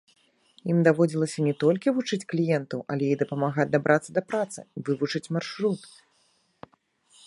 Ім даводзілася не толькі вучыць кліентаў, але і дапамагаць дабрацца да працы, вывучыць маршрут.